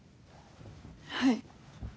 はい。